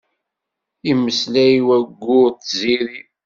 Yemmeslay wayyur d tziri.